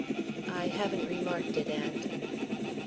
"I haven't remarked it, aunt."